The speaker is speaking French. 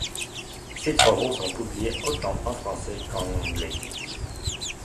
Ses travaux sont publiés autant en français qu'en anglais.